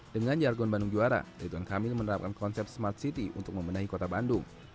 dengan jargon bandung juara rituan kamil menerapkan konsep smart city untuk membenahi kota bandung